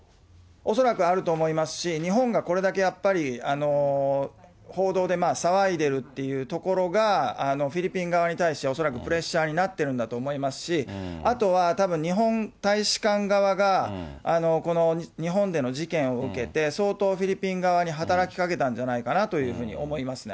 恐らくあると思いますし、日本がこれだけやっぱり、報道で騒いでるっていうところが、フィリピン側に対して、恐らくプレッシャーになってるんだと思いますし、あとは、たぶん日本大使館側が、この日本での事件を受けて、相当、フィリピン側に働きかけたんじゃないかなというふうに思いますね。